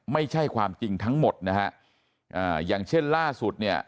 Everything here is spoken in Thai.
ไม่ใช่ความจริงทั้งหมดนะฮะอ่าอย่างเช่นล่าสุดเนี่ย